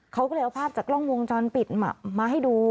เขาก็เลยเอาภาพจากกล้องวงจรปิดมาให้ดู